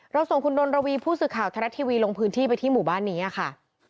ส่งคุณดนระวีผู้สื่อข่าวไทยรัฐทีวีลงพื้นที่ไปที่หมู่บ้านนี้ค่ะ